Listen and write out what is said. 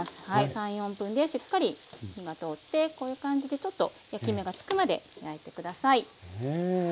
３４分でしっかり火が通ってこういう感じでちょっと焼き目がつくまで焼いて下さい。